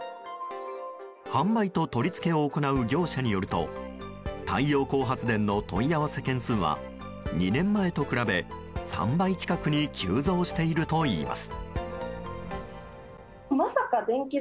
販売と取り付けを行う業者によると太陽光発電の問い合わせ件数は２年前と比べ３倍近くに急増しているといいます。